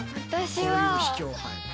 こういう秘境。